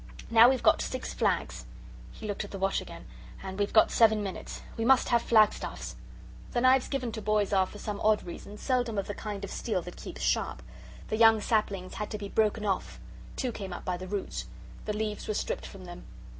"Now, we've got six flags." He looked at the watch again. "And we've got seven minutes. We must have flagstaffs." The knives given to boys are, for some odd reason, seldom of the kind of steel that keeps sharp. The young saplings had to be broken off. Two came up by the roots. The leaves were stripped from them.